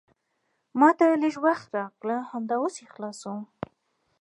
ما ته لیژ وخت راکړه، همدا اوس یې خلاصوم.